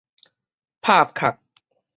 拍卡